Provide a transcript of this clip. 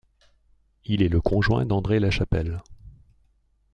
Il est le conjoint d'Andrée Lachapelle.